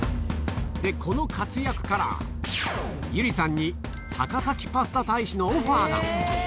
この活躍から友梨さんに高崎パスタ大使のオファーが。